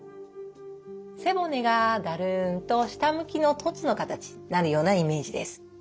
背骨がだるんと下向きの凸の形になるようなイメージです。